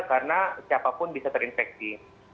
karena siapapun bisa terinfeksi